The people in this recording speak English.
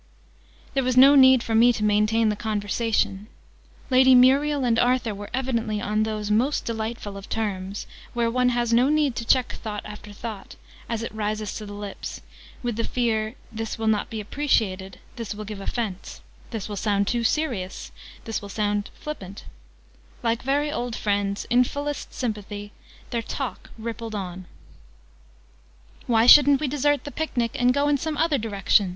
There was no need for me to maintain the conversation. Lady Muriel and Arthur were evidently on those most delightful of terms, where one has no need to check thought after thought, as it rises to the lips, with the fear 'this will not be appreciated this will give' offence this will sound too serious this will sound flippant': like very old friends, in fullest sympathy, their talk rippled on. "Why shouldn't we desert the Picnic and go in some other direction?"